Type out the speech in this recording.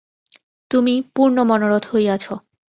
তুমি পূর্ণমনোরথ হইয়াছ।